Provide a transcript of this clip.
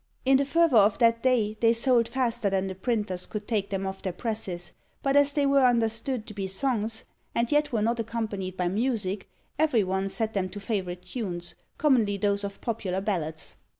In the fervour of that day, they sold faster than the printers could take them off their presses; but as they were understood to be songs, and yet were not accompanied by music, every one set them to favourite tunes, commonly those of popular ballads.